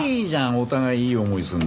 お互いいい思いするんだから。